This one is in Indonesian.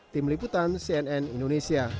tim liputan cnn indonesia